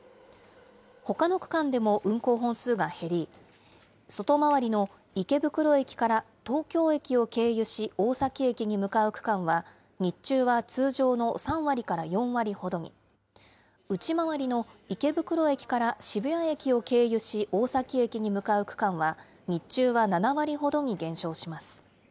ほかの区間でも運行本数が減り、外回りの池袋駅から東京駅を経由し、大崎駅に向かう区間は、日中は通常の３割から４割ほどに、内回りの池袋駅から渋谷駅を経由し、大崎駅に向かう区間は、日中は７割ほどに減少します。